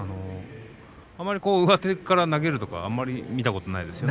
あまり上手から投げるとかあまり見たことないですよね。